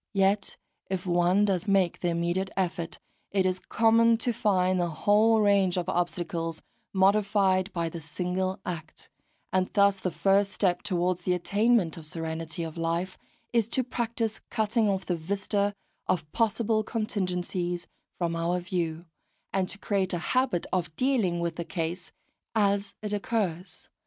Yet if one does make the immediate effort, it is common to find the whole range of obstacles modified by the single act; and thus the first step towards the attainment of serenity of life is to practise cutting off the vista of possible contingencies from our view, and to create a habit of dealing with a case as it occurs.